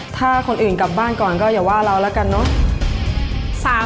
ถ้าคนอื่นกลับบ้านก่อนก็อย่าว่าเราแล้วกันเนอะ